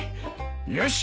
よし！